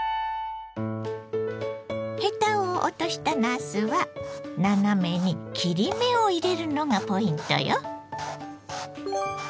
ヘタを落としたなすは斜めに切り目を入れるのがポイントよ。